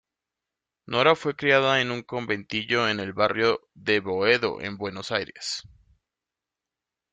Nora fue criada en un conventillo en el barrio de Boedo en Buenos Aires.